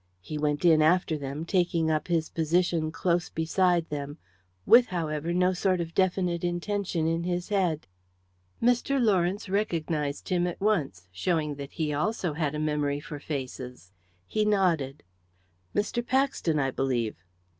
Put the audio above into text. He went in after them, taking up his position close beside them, with, however, no sort of definite intention in his head. Mr. Lawrence recognised him at once, showing that he also had a memory for faces. He nodded. "Mr. Paxton, I believe."